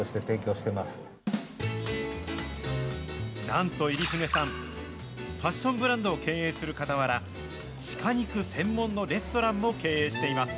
なんと入舩さん、ファッションブランドを経営するかたわら、シカ肉専門のレストランも経営しています。